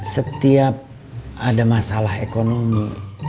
setiap ada masalah ekonomi